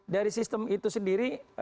dari sistem itu sendiri